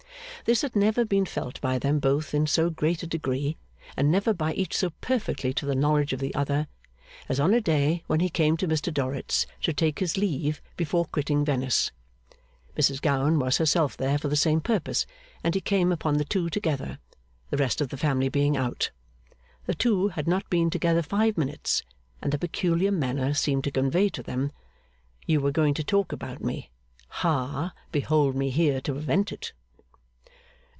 This had never been felt by them both in so great a degree, and never by each so perfectly to the knowledge of the other, as on a day when he came to Mr Dorrit's to take his leave before quitting Venice. Mrs Gowan was herself there for the same purpose, and he came upon the two together; the rest of the family being out. The two had not been together five minutes, and the peculiar manner seemed to convey to them, 'You were going to talk about me. Ha! Behold me here to prevent it!